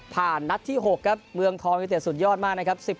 นัดที่๖ครับเมืองทองยูเต็ดสุดยอดมากนะครับ